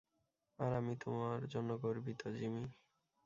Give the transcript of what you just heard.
আর আমি তোমার জন্য গর্বিত, জিমি।